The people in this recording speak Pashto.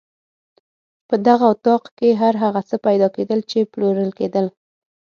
په دغه اطاق کې هر هغه څه پیدا کېدل چې پلورل کېدل.